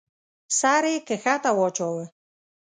سر يې کښته واچاوه.